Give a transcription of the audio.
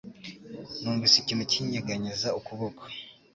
Numvise ikintu kinyeganyeza ukuboko.